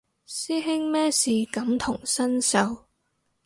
師兄咩事感同身受